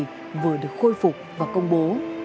thì tiểu khu sáu bảy vừa được khôi phục và công bố